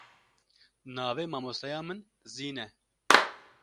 Navê mamosteya min Zîn e.